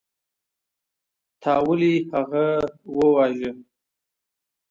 تا ولې هغه وواژه.